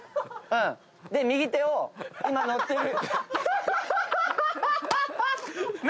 で右手を今乗ってる。